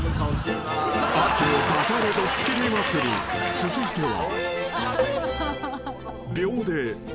［続いては］